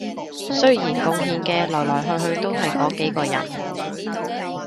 雖然貢獻嘅來來去去都係嗰幾個人